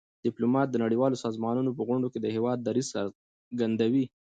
ډيپلومات د نړیوالو سازمانونو په غونډو کي د هېواد دریځ څرګندوي.